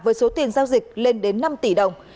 với số tiền giao dịch lên đến năm tỷ đồng